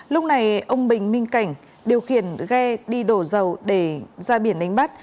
lúc này ông bình minh cảnh điều khiển ghe đi đổ dầu để ra biển đánh bắt